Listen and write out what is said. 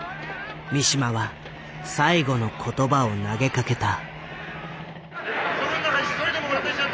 三島は最後の言葉を投げかけた。